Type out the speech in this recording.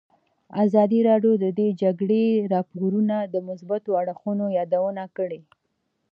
ازادي راډیو د د جګړې راپورونه د مثبتو اړخونو یادونه کړې.